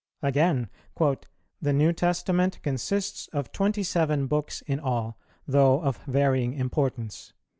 Again: "The New Testament consists of twenty seven books in all, though of varying importance.